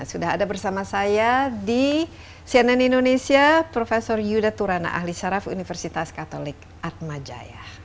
sudah ada bersama saya di cnn indonesia prof yuda turana ahli syaraf universitas katolik atmajaya